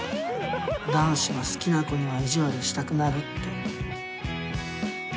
男子は好きな子には意地悪したくなるって。